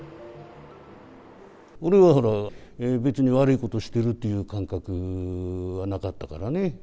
俺はほら、別に悪いことしているっていう感覚はなかったからね。